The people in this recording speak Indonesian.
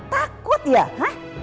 takut ya hah